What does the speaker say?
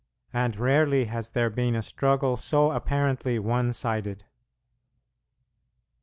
And rarely has there been a struggle so apparently one sided.